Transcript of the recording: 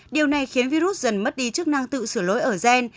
điều này khiến virus dần mất đi chức năng tự sửa lỗi ở gen